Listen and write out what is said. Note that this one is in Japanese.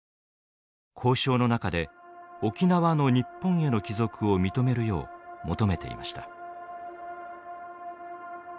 交渉の中で沖縄の日本への帰属を認めるよう求めていました。